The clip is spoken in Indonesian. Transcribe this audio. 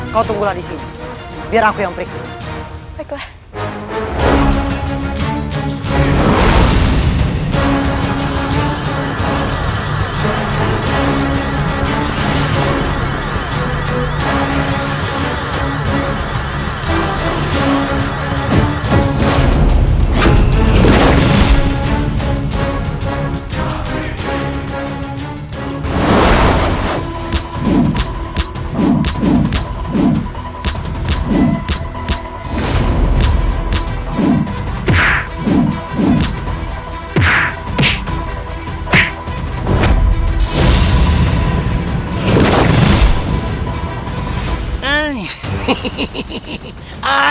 kau tunggulah disini biar aku yang periksa